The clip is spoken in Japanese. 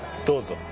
どうぞ。